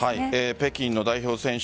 北京の代表選手